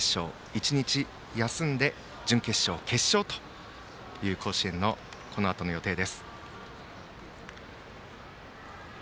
１日休んで準決勝、決勝という甲子園のこのあとの予定です。